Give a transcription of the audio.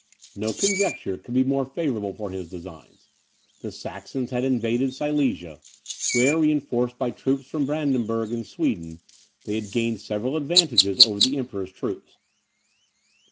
No conjuncture could be more favourable for his designs. The Saxons had invaded Silesia, where, reinforced by troops from Brandenburgh and Sweden, they had gained several advantages over the Emperor's troops.